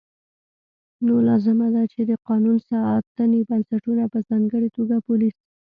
نو لازمه ده چې د قانون ساتنې بنسټونه په ځانګړې توګه پولیس